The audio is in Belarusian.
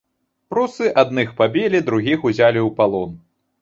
Прусы адных пабілі, другіх узялі ў палон.